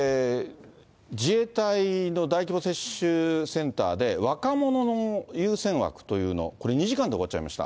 自衛隊の大規模接種センターで、若者の優先枠というの、これ２時間で終わっちゃいました。